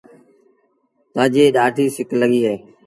تآجي ڏآڍيٚ سڪ لڳيٚ اهي۔